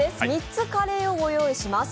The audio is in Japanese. ３つカレーをご用意します。